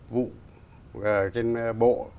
vụ trên bộ